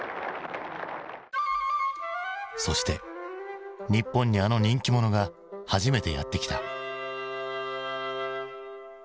そして日本にあの人気者が初めてやって来た。